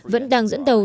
vẫn đang dẫn đầu